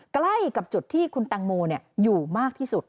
ใกล้กับจุดที่คุณแตงโมอยู่มากที่สุด